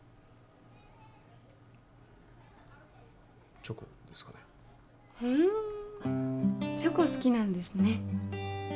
チョコですかねふんチョコ好きなんですね